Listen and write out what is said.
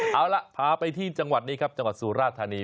เอาล่ะพาไปที่จังหวัดนี้ครับจังหวัดสุราธานี